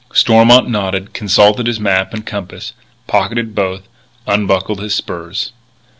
Stormont nodded, consulted his map and compass, pocketed both, unbuckled his spurs.